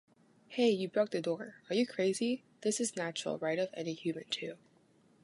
hey, you broke the door. are you crazy? this is natural right of any human to